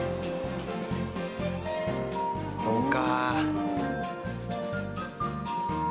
そうか。